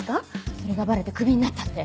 それがバレてクビになったって。